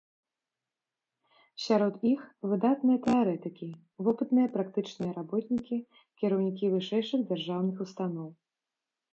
Сярод іх выдатныя тэарэтыкі, вопытныя практычныя работнікі, кіраўнікі вышэйшых дзяржаўных устаноў.